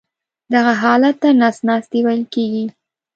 دغه حالت ته نس ناستی ویل کېږي.